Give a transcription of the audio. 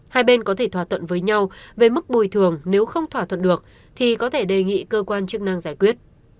hai bên có thể thỏa thuận với nhau về mức bồi thường nếu không thỏa thuận được thì có thể đề nghị cơ quan chức năng giải quyết